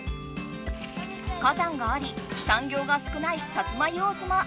火山があり産業が少ない摩硫黄島。